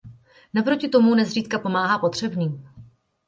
Naproti tomu nezřídka pomáhá potřebným.